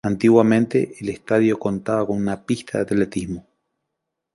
Antiguamente, el estadio contaba con una pista de atletismo.